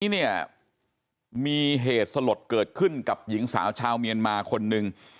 เนี่ยมีเหตุสลดเกิดขึ้นกับหญิงสาวชาวเมียนมาคนหนึ่ง